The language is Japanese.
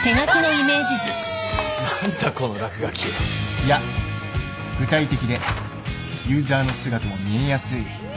いや具体的でユーザーの姿も見えやすい。